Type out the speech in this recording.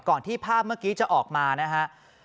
ที่ภาพเมื่อกี้จะออกมานะฮะ